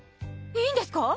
いいんですか